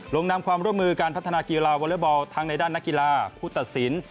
ลงนำความร่วมมือการพัฒนากีฬาวอเล็กบอลทั้งในด้านนักกีฬาผู้ตัดสิน